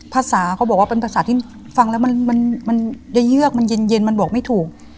ภาษาเขาบอกว่าเป็นภาษาที่ฟังแล้วมันจะเยือกมันเย็นมันบอกไม่ถูก